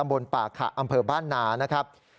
ตำบลป่าขะอมเภอบ้านนา